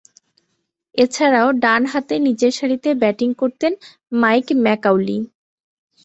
এছাড়াও, ডানহাতে নিচেরসারিতে ব্যাটিং করতেন মাইক ম্যাকাউলি।